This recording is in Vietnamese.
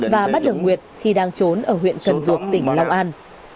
và bắt được nguyệt khi đang trốn ở huyện cần dục tỉnh lòng an